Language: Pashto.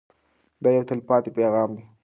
دا یو تلپاتې پیغام دی.